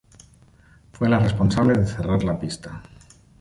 Fue la responsable de cerrar la pista.